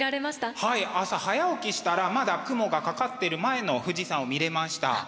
はい朝早起きしたらまだ雲がかかってる前の富士山を見れました。